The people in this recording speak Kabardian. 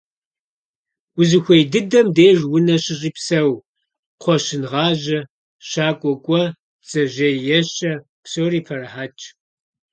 Узыхуей дыдэм деж унэ щыщӀи псэу: кхъуэщын гъажьэ, щакӀуэ кӀуэ, бдзэжьей ещэ. Псори пэрыхьэтщ.